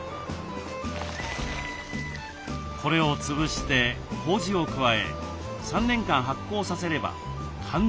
これを潰してこうじを加え３年間発酵させればかん